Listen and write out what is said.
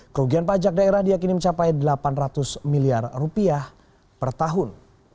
kerugian pajak daerah diakini mencapai delapan ratus miliar rupiah per tahun